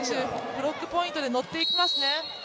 ブロックポイントでのっていきますね。